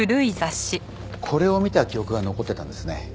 これを見た記憶が残ってたんですね。